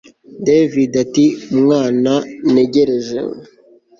david ati mwana ntegereje